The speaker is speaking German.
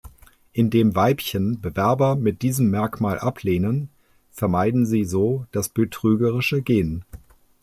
Indem Weibchen Bewerber mit diesem Merkmal ablehnen, vermeiden sie so das betrügerische Gen.